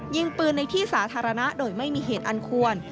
ยิงปืนในที่สาธารณะโดยไม่มีเหตุอันควร